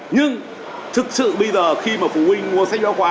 nhưng thực sự bây giờ khi mà phụ huynh mua sách giáo khoa